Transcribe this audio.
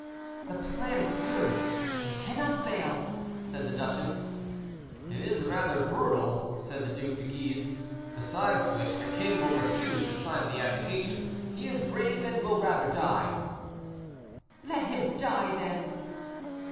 "The plan is good, and cannot fail," said the duchess. "It is rather brutal," said the Duc de Guise; "besides which, the king will refuse to sign the abdication. He is brave, and will rather die." "Let him die, then."